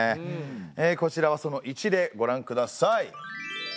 えこちらはその一例ごらんください。